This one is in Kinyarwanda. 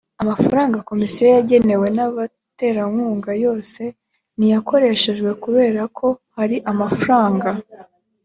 amafaranga komisiyo yagenewe n abaterankunga yose ntiyakoreshejwe kubera ko hari amafaranga